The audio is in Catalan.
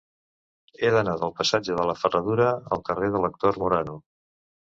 He d'anar del passatge de la Ferradura al carrer de l'Actor Morano.